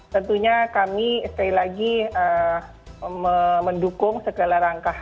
tentunya kami sekali lagi mendukung segala rangka